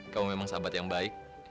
kau memang sahabat yang baik